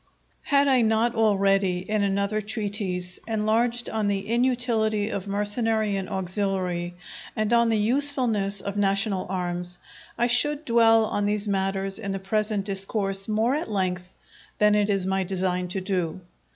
Had I not already, in another treatise, enlarged on the inutility of mercenary and auxiliary, and on the usefulness of national arms, I should dwell on these matters in the present Discourse more at length than it is my design to do.